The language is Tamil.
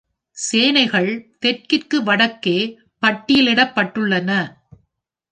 சேனைகள் தெற்கிற்கு வடக்கே பட்டியலிடப்பட்டுள்ளன.